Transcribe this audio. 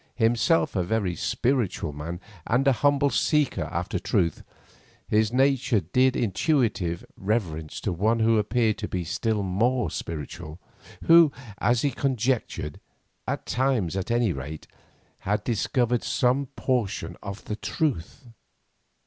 Himself a very spiritual man, and a humble seeker after truth, his nature did intuitive reverence to one who appeared to be still more spiritual, who, as he conjectured, at times at any rate, had discovered some portion of the truth.